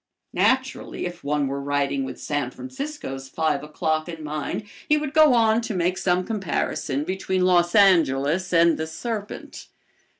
Naturally, if one were writing with San Francisco's five o'clock in mind he would go on to make some comparison between Los Angeles and the serpent.